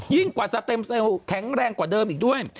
กว่าจะเต็มเซลล์แข็งแรงกว่าเดิมอีกด้วย